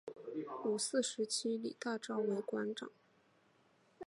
五四时期李大钊为馆长。